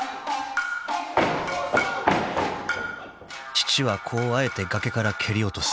［父は子をあえて崖から蹴り落とす］